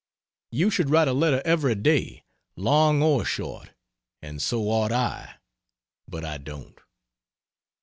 You should write a letter every day, long or short and so ought I, but I don't.